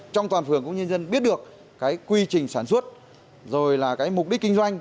trong toàn phường cũng nhân dân biết được cái quy trình sản xuất rồi là cái mục đích kinh doanh